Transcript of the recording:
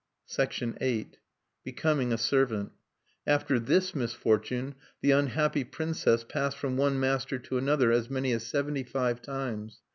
VIII. BECOMING A SERVANT After this misfortune, the unhappy princess passed from one master to another as many as seventy five times.